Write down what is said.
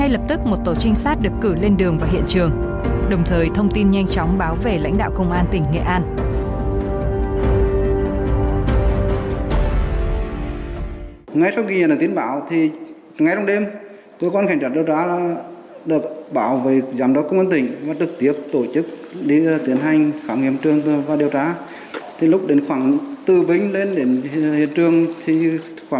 đây là vùng đất sinh nhai của bộ phận bà con đồng bào người dân tộc thiểu số